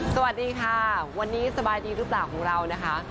สวัสดีค่ะวันนี้สบายดีหรือเปล่าของเรานะคะ